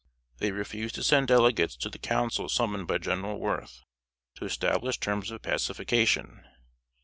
They refused to send delegates to the council summoned by General Worth, to establish terms of pacification.